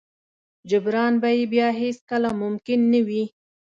جبران به يې بيا هېڅ کله ممکن نه وي.